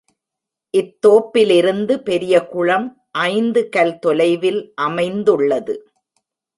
இத் தோப்பிலிருந்து பெரியகுளம் ஐந்து கல் தொலைவில் அமைந்துள்ளது.